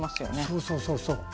そうそうそうそう。